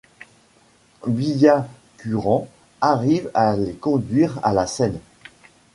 Byakuran arrive à les conduire à la scène.